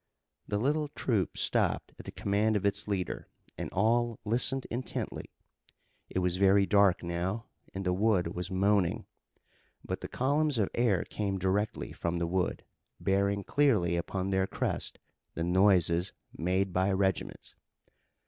The little troop stopped at the command of its leader and all listened intently. It was very dark now and the wood was moaning, but the columns of air came directly from the wood, bearing clearly upon their crest the noises made by regiments.